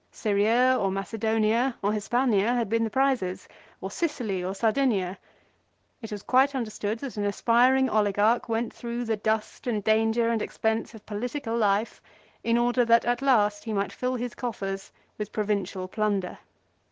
Syria, or Macedonia, or Hispania had been the prizes; or Sicily, or Sardinia. It was quite under stood that an aspiring oligarch went through the dust and danger and expense of political life in order that at last he might fill his coffers with provincial plunder.